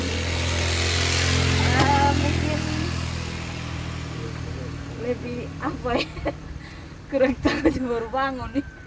mungkin lebih apa ya kurang tahu baru bangun